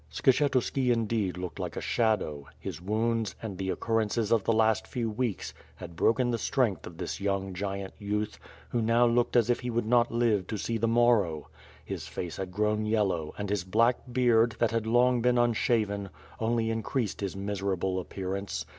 Skshetuski indeed looked like a shadow. His wounds, and the occurrences of the last few weeks, had broken the strength of this young giant youth, who now looked as if he would not live to see the morrow. His face had grown yellow, and his black beard, that had long been unshaven, only increased his miserable appearance.